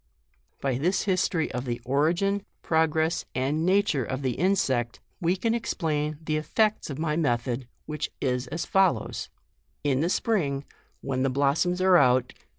" By this history of the origin, progress and nature of the insect, we can explain the effects of my method, which is as follows :— Jn the spring, when the blossoms are out, JUNE.